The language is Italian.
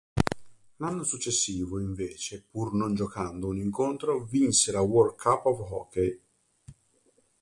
L'anno successivo invece pur non giocando un incontro vinse la World Cup of Hockey.